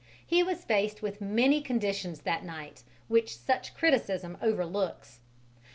He was faced with many conditions that night which such criticism overlooks.